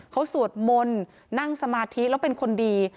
เขาสวดมนต์นั่งสมาธิแล้วเป็นคนดี